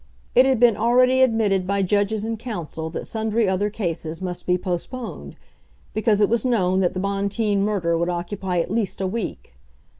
It had been already admitted by judges and counsel that sundry other cases must be postponed, because it was known that the Bonteen murder would occupy at least a week.